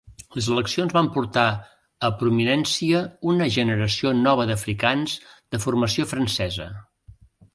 Les eleccions van portar a prominència una generació nova d'africans de formació francesa.